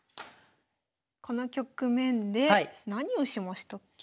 この局面で何をしましたっけ？